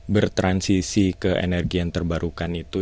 bertransisi ke energi yang terbarukan itu